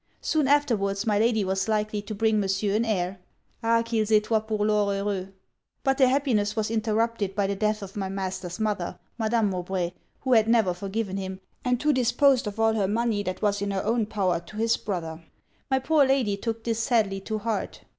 Soon afterwards my lady was likely to bring Monsieur an heir. Ah! qu'ils etoient pour lors heureux. But their happiness was interrupted by the death of my master's mother, Madame Mowbray, who had never forgiven him, and who disposed of all her money that was in her own power to his brother. My poor lady took this sadly to heart.